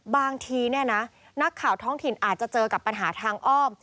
บางทีเนี่ยนะนักข่าวท้องถิ่นอาจจะเจอกับปัญหาทางอ้อม